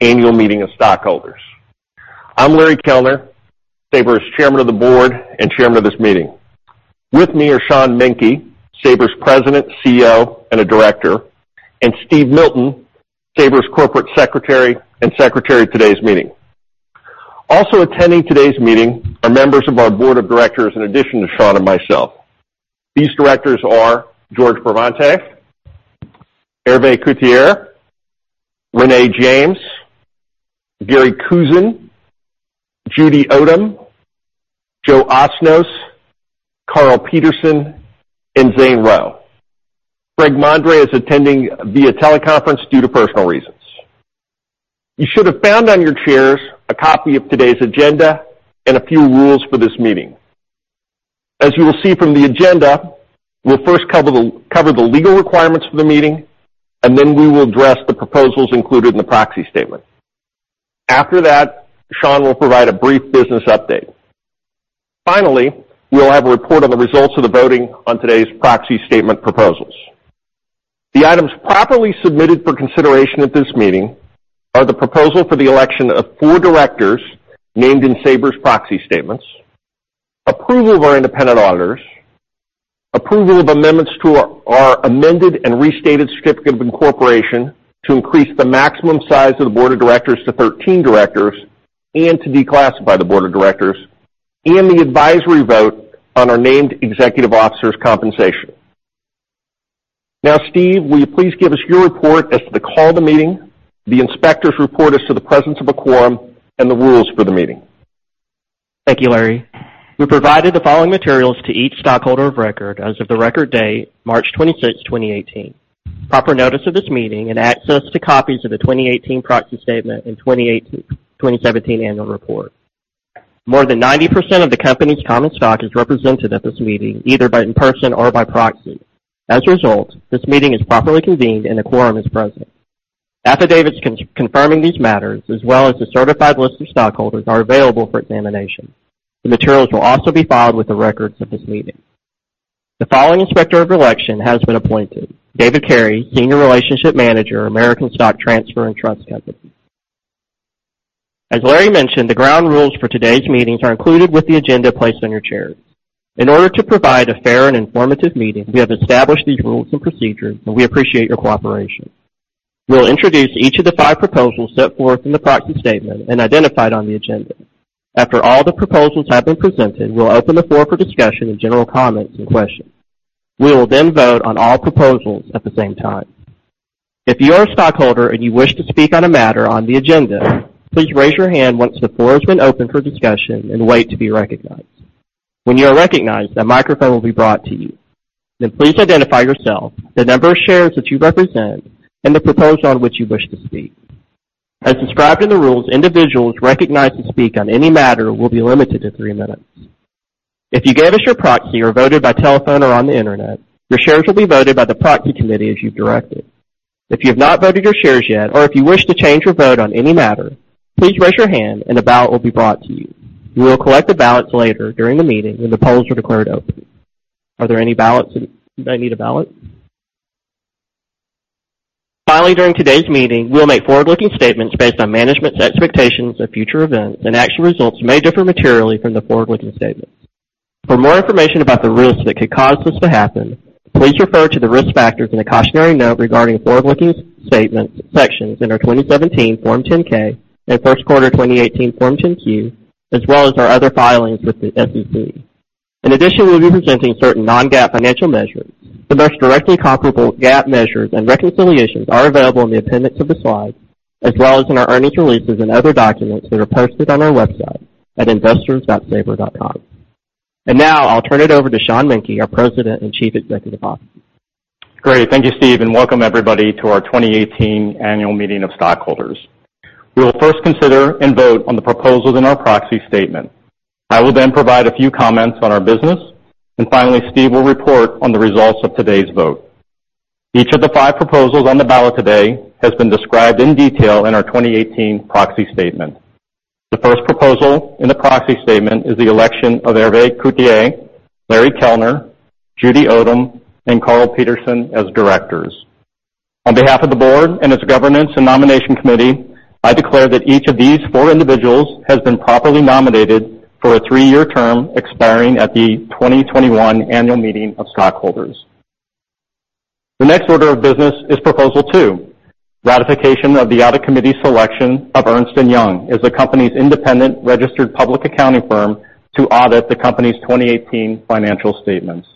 annual meeting of stockholders. I'm Larry Kellner, Sabre's Chairman of the Board and Chairman of this meeting. With me are Sean Menke, Sabre's President, CEO, and a director, and Steve Milton, Sabre's Corporate Secretary and Secretary of today's meeting. Also attending today's meeting are members of our board of directors in addition to Sean and myself. These directors are George Bravante, Hervé Couturier, Renée James, Gary Kusin, Judy Odom, Joseph Osnoss, Karl Peterson, and Zane Rowe. Greg Mondre is attending via teleconference due to personal reasons. You should have found on your chairs a copy of today's agenda and a few rules for this meeting. As you will see from the agenda, we'll first cover the legal requirements for the meeting, then we will address the proposals included in the proxy statement. After that, Sean will provide a brief business update. Finally, we'll have a report on the results of the voting on today's proxy statement proposals. The items properly submitted for consideration at this meeting are the proposal for the election of 4 directors named in Sabre's proxy statements, approval of our independent auditors, approval of amendments to our amended and restated certificate of incorporation to increase the maximum size of the board of directors to 13 directors and to declassify the board of directors, the advisory vote on our named executive officers' compensation. Now, Steve, will you please give us your report as to the call of the meeting, the inspector's report as to the presence of a quorum, and the rules for the meeting? Thank you, Larry. We provided the following materials to each stockholder of record as of the record date, March 26, 2018. Proper notice of this meeting and access to copies of the 2018 proxy statement and 2017 annual report. More than 90% of the company's common stock is represented at this meeting, either by in-person or by proxy. As a result, this meeting is properly convened, and a quorum is present. Affidavits confirming these matters, as well as the certified list of stockholders, are available for examination. The materials will also be filed with the records of this meeting. The following inspector of election has been appointed: David Carey, Senior Relationship Manager, American Stock Transfer & Trust Company. As Larry mentioned, the ground rules for today's meetings are included with the agenda placed on your chairs. In order to provide a fair and informative meeting, we have established these rules and procedures, we appreciate your cooperation. We'll introduce each of the 5 proposals set forth in the proxy statement and identified on the agenda. After all the proposals have been presented, we'll open the floor for discussion and general comments and questions. We will vote on all proposals at the same time. If you are a stockholder and you wish to speak on a matter on the agenda, please raise your hand once the floor has been opened for discussion and wait to be recognized. When you are recognized, a microphone will be brought to you. Please identify yourself, the number of shares that you represent, and the proposal on which you wish to speak. As described in the rules, individuals recognized to speak on any matter will be limited to 3 minutes. If you gave us your proxy or voted by telephone or on the internet, your shares will be voted by the proxy committee as you've directed. If you have not voted your shares yet or if you wish to change your vote on any matter, please raise your hand and a ballot will be brought to you. We will collect the ballots later during the meeting when the polls are declared open. Are there any ballots? Anybody need a ballot? Finally, during today's meeting, we'll make forward-looking statements based on management's expectations of future events, and actual results may differ materially from the forward-looking statements. For more information about the risks that could cause this to happen, please refer to the risk factors in the cautionary note regarding forward-looking statements sections in our 2017 Form 10-K and first quarter 2018 Form 10-Q, as well as our other filings with the SEC. We'll be presenting certain non-GAAP financial measures. The most directly comparable GAAP measures and reconciliations are available in the appendix of the slides, as well as in our earnings releases and other documents that are posted on our website at investors.sabre.com. Now I'll turn it over to Sean Menke, our President and Chief Executive Officer. Great. Thank you, Steve. Welcome everybody to our 2018 annual meeting of stockholders. We will first consider and vote on the proposals in our proxy statement. I will then provide a few comments on our business. Finally, Steve will report on the results of today's vote. Each of the five proposals on the ballot today has been described in detail in our 2018 proxy statement. The first proposal in the proxy statement is the election of Hervé Couturier, Larry Kellner, Judy Odom, and Karl Peterson as directors. On behalf of the board and its governance and nomination committee, I declare that each of these four individuals has been properly nominated for a three-year term expiring at the 2021 annual meeting of stockholders. The next order of business is proposal two, ratification of the audit committee's selection of Ernst & Young as the company's independent registered public accounting firm to audit the company's 2018 financial statements.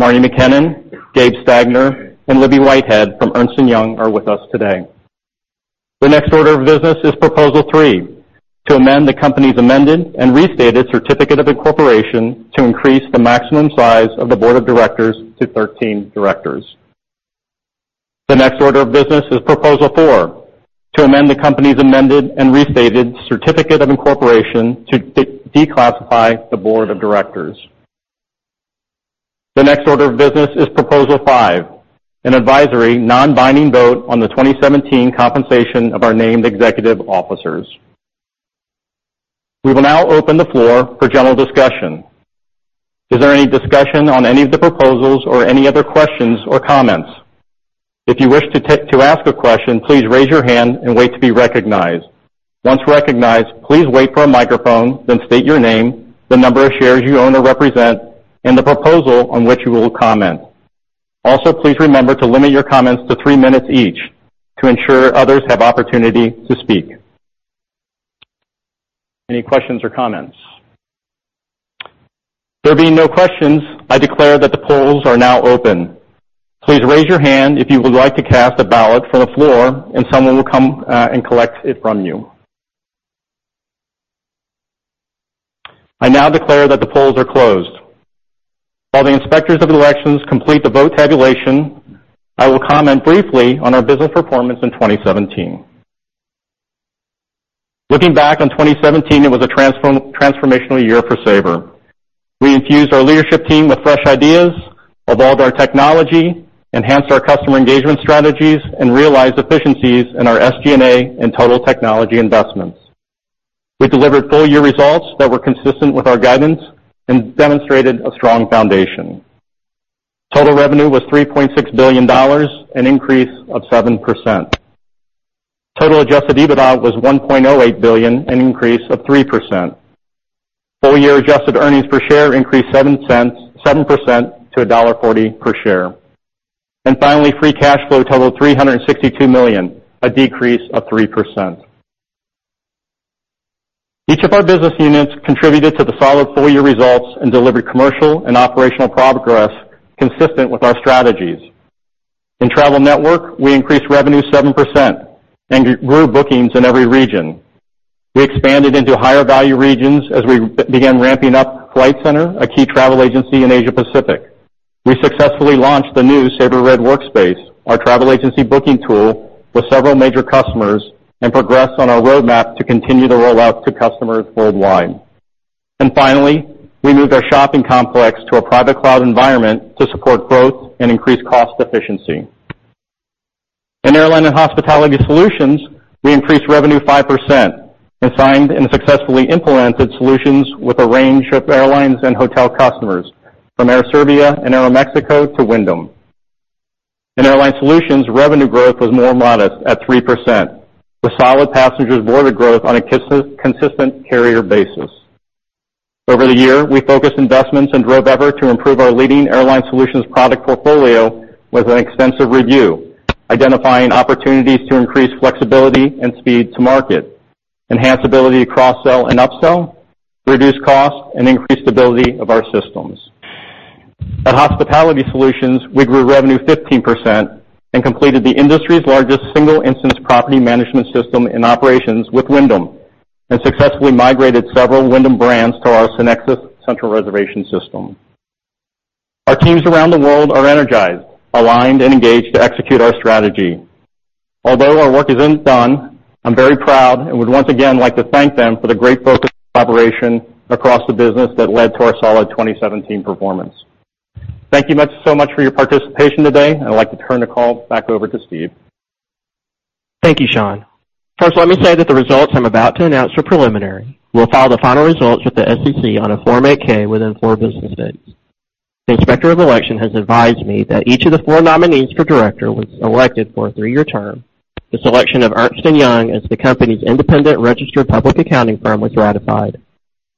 Marnie McKinnon, Gabe Stagner, and Libby Whitehead from Ernst & Young are with us today. The next order of business is proposal three, to amend the company's amended and restated certificate of incorporation to increase the maximum size of the board of directors to 13 directors. The next order of business is proposal four, to amend the company's amended and restated certificate of incorporation to declassify the board of directors. The next order of business is proposal five, an advisory non-binding vote on the 2017 compensation of our named executive officers We will now open the floor for general discussion. Is there any discussion on any of the proposals or any other questions or comments? If you wish to ask a question, please raise your hand and wait to be recognized. Once recognized, please wait for a microphone, then state your name, the number of shares you own or represent, and the proposal on which you will comment. Also, please remember to limit your comments to three minutes each to ensure others have opportunity to speak. Any questions or comments? There being no questions, I declare that the polls are now open. Please raise your hand if you would like to cast a ballot from the floor and someone will come and collect it from you. I now declare that the polls are closed. While the inspectors of elections complete the vote tabulation, I will comment briefly on our business performance in 2017. Looking back on 2017, it was a transformational year for Sabre. We infused our leadership team with fresh ideas, evolved our technology, enhanced our customer engagement strategies, and realized efficiencies in our SG&A and total technology investments. We delivered full-year results that were consistent with our guidance and demonstrated a strong foundation. Total revenue was $3.6 billion, an increase of 7%. Total adjusted EBITDA was $1.08 billion, an increase of 3%. Full-year adjusted earnings per share increased $0.07, 7% to $1.40 per share. Finally, Free Cash Flow totaled $362 million, a decrease of 3%. Each of our business units contributed to the solid full-year results and delivered commercial and operational progress consistent with our strategies. In Travel Network, we increased revenue 7% and grew bookings in every region. We expanded into higher-value regions as we began ramping up Flight Centre, a key travel agency in Asia Pacific. We successfully launched the new Sabre Red Workspace, our travel agency booking tool, with several major customers and progressed on our roadmap to continue the rollout to customers worldwide. Finally, we moved our shopping complex to a private cloud environment to support growth and increase cost efficiency. In Airline and Hospitality Solutions, we increased revenue 5% and signed and successfully implemented solutions with a range of airlines and hotel customers, from Air Serbia and Aeroméxico to Wyndham. In Airline Solutions, revenue growth was more modest at 3%, with solid Passengers Boarded growth on a consistent carrier basis. Over the year, we focused investments and drove effort to improve our leading airline solutions product portfolio with an extensive review, identifying opportunities to increase flexibility and speed to market, enhance ability to cross-sell and up-sell, reduce costs, and increase stability of our systems. At Hospitality Solutions, we grew revenue 15% and completed the industry's largest single-instance Property Management System and operations with Wyndham and successfully migrated several Wyndham brands to our SynXis Central Reservation System. Our teams around the world are energized, aligned, and engaged to execute our strategy. Although our work isn't done, I'm very proud and would once again like to thank them for the great focus and collaboration across the business that led to our solid 2017 performance. Thank you much so much for your participation today. I'd like to turn the call back over to Steve. Thank you, Sean. First, let me say that the results I'm about to announce are preliminary. We'll file the final results with the SEC on a Form 8-K within four business days. The Inspector of Election has advised me that each of the four nominees for director was elected for a three-year term. The selection of Ernst & Young as the company's independent registered public accounting firm was ratified.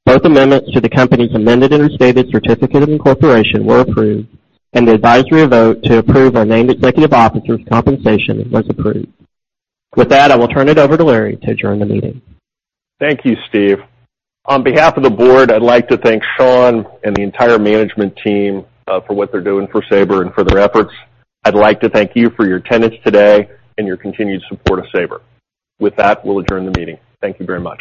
Both amendments to the company's amended and restated certificate of incorporation were approved, and the advisory vote to approve our named executive officers' compensation was approved. With that, I will turn it over to Larry to adjourn the meeting. Thank you, Steve. On behalf of the board, I'd like to thank Sean and the entire management team for what they're doing for Sabre and for their efforts. I'd like to thank you for your attendance today and your continued support of Sabre. With that, we'll adjourn the meeting. Thank you very much.